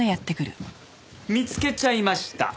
見つけちゃいました。